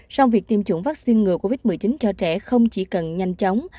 trong việc tiêm chủng vaccine người covid một mươi chín cho trẻ không chỉ cần nhanh chóng